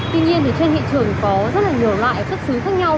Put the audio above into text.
tuy nhiên thì trên hiện trường có rất là nhiều loại thuốc xứ khác nhau